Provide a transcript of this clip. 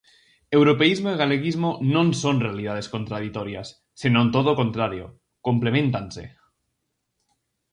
Europeísmo e galeguismo non son realidades contraditorias, senón todo o contrario: compleméntanse.